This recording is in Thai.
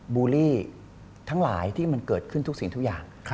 บูลลี่ทั้งหลายที่มันเกิดขึ้นทุกสิ่งทุกอย่าง